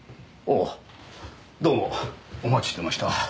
ああどうもお待ちしてました。